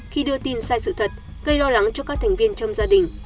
khi đưa tin sai sự thật gây lo lắng cho các thành viên trong gia đình